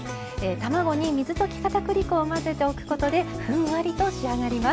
卵に水溶きかたくり粉を混ぜておくことでふんわりと仕上がります。